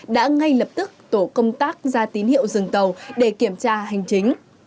đã ngay lập tức tổ công tác ra tín hiệu dừng tàu để kiểm tra hành chính